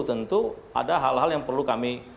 tentu ada hal hal yang perlu kami